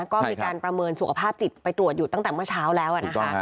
ก็มีการประเมินสุขภาพจิตไปตรวจอยู่ตั้งแต่เมื่อเช้าแล้วนะคะ